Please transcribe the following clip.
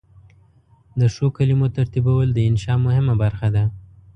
د ښو کلمو ترتیبول د انشأ مهمه برخه ده.